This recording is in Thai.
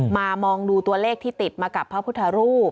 มองดูตัวเลขที่ติดมากับพระพุทธรูป